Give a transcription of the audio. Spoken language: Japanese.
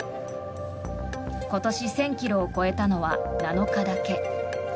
今年、１０００ｋｇを超えたのは７日だけ。